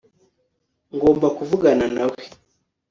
Ngomba kuvugana nawe